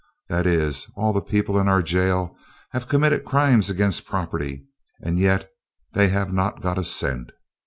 That is, all the people in our jail have committed crimes against property, and yet they have not got a cent.